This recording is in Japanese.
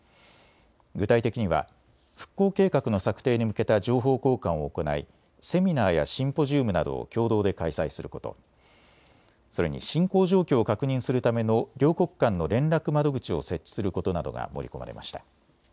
具体的には復興計画の策定に向けた情報交換を行いセミナーやシンポジウムなどを共同で開催すること、それに進行状況を確認するための両国間の連絡窓口を設置することなどが盛り込まれました。